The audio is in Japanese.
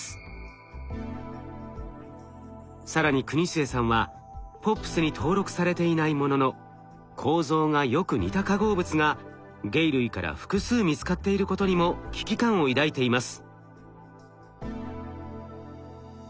更に国末さんはＰＯＰｓに登録されていないものの構造がよく似た化合物が鯨類から複数見つかっていることにも危機感を抱いています。